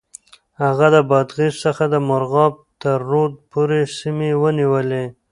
هغه د بادغيس څخه د مرغاب تر رود پورې سيمې ونيولې.